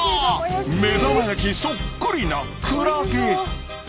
目玉焼きそっくりなクラゲ。